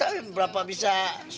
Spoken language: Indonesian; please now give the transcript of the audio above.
gak tahu berapa bisa